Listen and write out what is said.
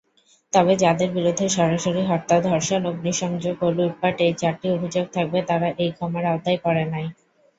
তবে, যাদের বিরুদ্ধে সরাসরি হত্যা, ধর্ষণ, অগ্নি সংযোগ ও লুটপাট এই চারটি অভিযোগ থাকবে তারা এই ক্ষমার আওতায় পরে নাই।